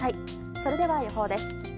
それでは予報です。